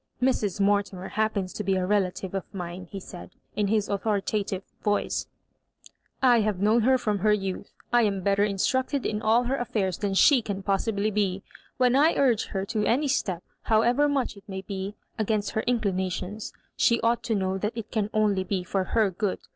'* Mrs. Mortimer happens to be a relative of mine," he said, in his authoritative voioeu '< I have known her from her youth. I am better instructed in all her affairs tiian she can possibly be. When I urge her to any step, however much it may be against her inclinations, she ought to know that it can only be for her good.